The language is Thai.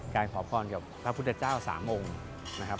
ขอพรกับพระพุทธเจ้า๓องค์นะครับ